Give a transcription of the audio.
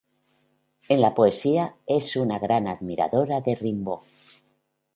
En la poesía es una gran admiradora de Rimbaud.